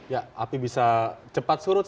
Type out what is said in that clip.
ya api bisa cepat surut